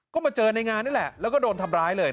ก็มาเจอในงานนี่แหละแล้วก็โดนทำร้ายเลย